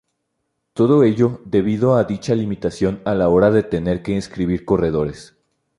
Todo ello debido a dicha limitación a la hora de tener que inscribir corredores.